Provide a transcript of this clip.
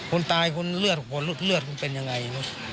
คุณตายคุณเลือดคุณเลือดเป็นยังไง